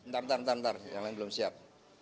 bentar bentar yang lain belum siap